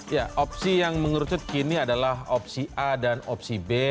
ya opsi yang mengerucut kini adalah opsi a dan opsi b